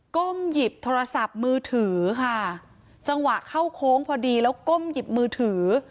ก้มหยิบโทรศัพท์มือถือค่ะจังหวะเข้าโค้งพอดีแล้วก้มหยิบมือถือ